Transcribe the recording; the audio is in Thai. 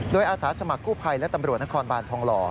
โดยอาสาสมัครกู้ภัยและตำรวจนครบานทองหล่อ